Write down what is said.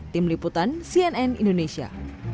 tim liputan cnn indonesia